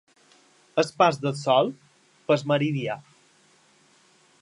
El pas del Sol pel meridià.